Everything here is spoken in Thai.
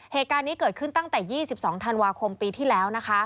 เหตุการณ์นี้เกิดขึ้นตั้งแต่๒๒ธันวาคมปีที่แล้วนะคะ